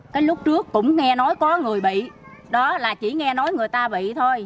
cái lúc trước cũng nghe nói có người bị